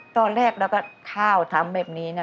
ตอนแรกเราก็ข้าวทำแบบนี้นะ